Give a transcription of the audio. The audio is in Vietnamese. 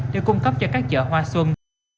để cung cấp cho các chợ hoa xuân